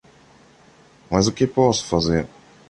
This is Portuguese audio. Mas o que posso fazer?